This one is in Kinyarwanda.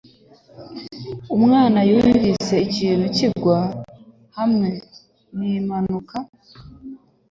Umwana yumvise ikintu kigwa hamwe nimpanuka.